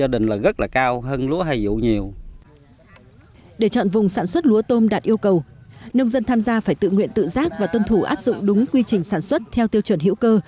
để chọn vùng sản xuất lúa tôm đạt yêu cầu nông dân tham gia phải tự nguyện tự giác và tuân thủ áp dụng đúng quy trình sản xuất theo tiêu chuẩn hữu cơ